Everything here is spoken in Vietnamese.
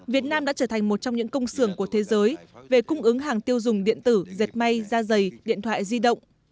việt nam đã trở thành một trong những công sưởng của thế giới về cung ứng hàng tiêu dùng điện tử dệt may da dày điện thoại di động